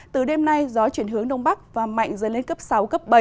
từ đêm nay gió chuyển hướng đông bắc và mạnh dần lên cấp sáu cấp bảy